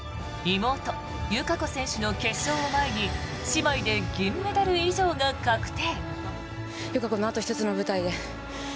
妹・友香子選手の決勝を前に姉妹で銀メダル以上が確定。